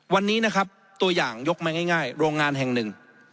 วันนี้นะครับตัวอย่างยกมาง่ายโรงงานแห่งหนึ่ง